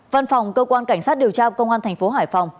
văn phòng cơ quan cảnh sát điều tra công an tp hải phòng